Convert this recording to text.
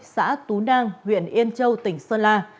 xã tú đăng huyện yên châu tỉnh sơn la